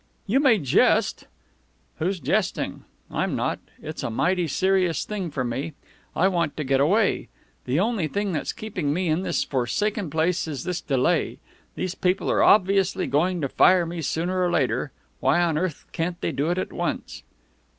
"You may jest " "Who's jesting? I'm not. It's a mighty serious thing for me. I want to get away. The only thing that's keeping me in this forsaken place is this delay. These people are obviously going to fire me sooner or later. Why on earth can't they do it at once?"